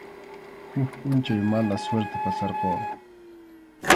Huk pʼunchaw mala suerte pasarquwan.